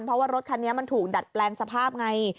เพราะว่ารถคันนี้มันถูกดัดแปลงสภาพไง